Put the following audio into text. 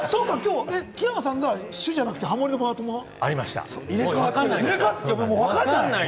木山さんが主じゃなくて、ハモリのパートは入れ替わって。